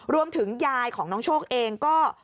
รวมถึงยายของน้องโชคเองก็